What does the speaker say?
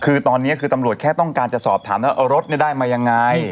คือตอนนี้คือตำรวจแค่ต้องการจะสอบถามว่ารถได้มายังไง